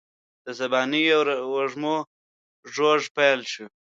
د سبانیو وږمو ږوږ پیل شو